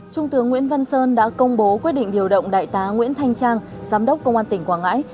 trung tướng nguyễn văn sơn đã công bố quyết định điều động đại tá nguyễn thanh trang giám đốc công an tỉnh quảng ngãi